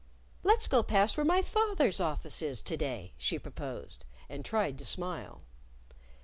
"Let's go past where my fath er's office is to day," she proposed. And tried to smile.